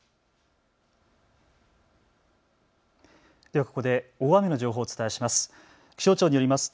ではここで大雨の情報をお伝えします。